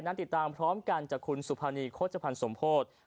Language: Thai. ติดตามพร้อมกันจากคุณสุภานีโฆษภัณฑ์สมโพธิ